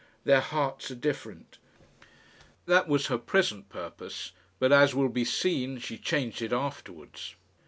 Their hearts are different." That was her present purpose, but, as will be seen, she changed it afterwards.